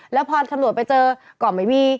แล้วพอตำรวจไปเจอก็ไม่มี